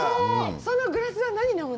そのグラスは何飲むの？